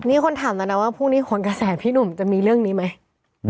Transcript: นี่คนถามแล้วนะว่าพรุ่งนี้คนกระแสพี่หนุ่มจะมีเรื่องนี้ไหม